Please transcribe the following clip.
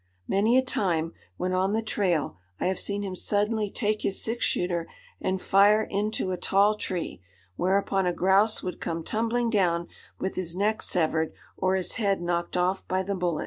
Many a time, when on the trail, I have seen him suddenly take his six shooter and fire into a tall tree, whereupon a grouse would come tumbling down, with his neck severed, or his head knocked off by the bullet.